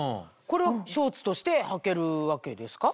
これはショーツとしてはけるわけですか？